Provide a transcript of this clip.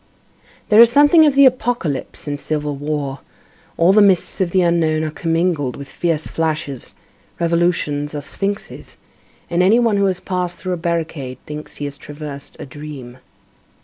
There is something of the apocalypse in civil war, all the mists of the unknown are commingled with fierce flashes, revolutions are sphinxes, and any one who has passed through a barricade thinks he has traversed a dream.